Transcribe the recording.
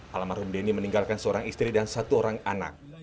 alam marhum deni meninggalkan seorang istri dan satu orang anak